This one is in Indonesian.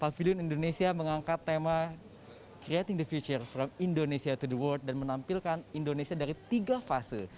pavilion indonesia mengangkat tema creating the future from indonesia to the world dan menampilkan indonesia dari tiga fase